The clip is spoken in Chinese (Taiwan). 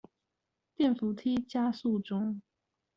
電扶梯加速中